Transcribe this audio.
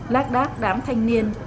lát đát đám thanh niên